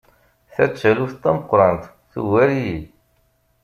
Ta d taluft tameqqrant! Tugar-iyi.